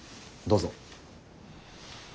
どうぞ。